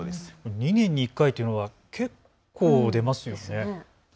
２年に１回というのはかなり出ますね。